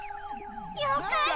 よかったち。